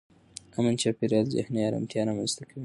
امن چاپېریال ذهني ارامتیا رامنځته کوي.